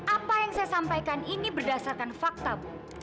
apa yang saya sampaikan ini berdasarkan fakta bu